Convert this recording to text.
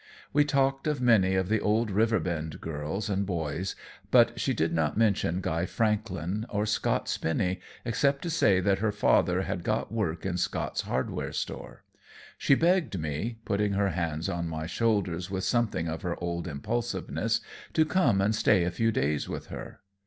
We talked of many of the old Riverbend girls and boys, but she did not mention Guy Franklin or Scott Spinny, except to say that her father had got work in Scott's hardware store. She begged me, putting her hands on my shoulders with something of her old impulsiveness, to come and stay a few days with her.